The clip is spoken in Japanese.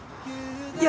いや